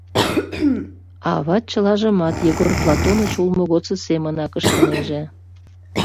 А ават чылажымат Егор Платоныч улмо годсо семынак ыштынеже.